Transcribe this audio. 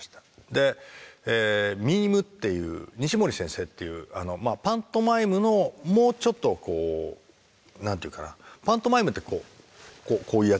でミームっていうニシモリ先生っていうパントマイムのもうちょっとこう何て言うかなパントマイムってこういうやつじゃないですか。